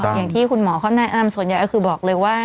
อย่างที่คุณหมอเขาแนะนำส่วนใหญ่ก็คือบอกเลยว่า